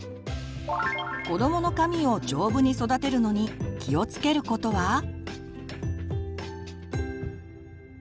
子どもの髪を丈夫に育てるのに気をつけることは？